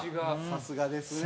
「さすがですね」